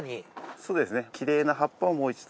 そうですね。